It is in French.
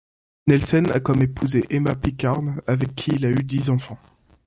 Nelsen a comme épouse Emma Pickard avec qui il a eu dix enfants.